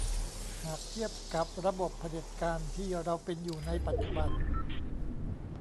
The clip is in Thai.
หากเทียบกับระบบเผด็จการที่เราเป็นอยู่ในปัจจุบัน